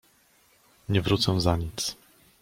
Nie wrócę za nic!